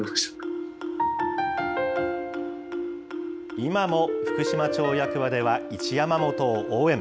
今も福島町役場では一山本を応援。